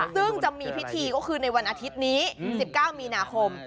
ซึ่งจะมีพิธีก็คือในวันอาทิตย์นี้๑๙มีนาคม